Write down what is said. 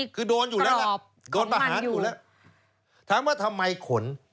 คือโดนอยู่แล้วล่ะโดนประหารอยู่แล้วถามว่าทำไมขน